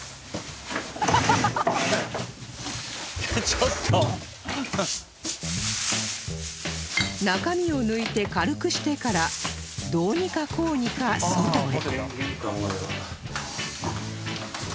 ちょっと」中身を抜いて軽くしてからどうにかこうにか外へ